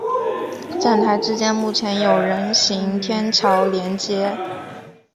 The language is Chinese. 站台之间目前有人行天桥连接。